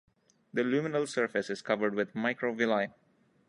The luminal surface is covered with microvilli.